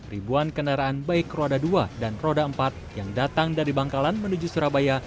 ribuan kendaraan baik roda dua dan roda empat yang datang dari bangkalan menuju surabaya